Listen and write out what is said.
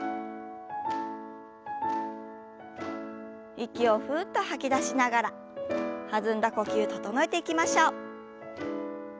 息をふっと吐き出しながら弾んだ呼吸整えていきましょう。